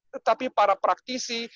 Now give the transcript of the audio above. tetapi para praktisi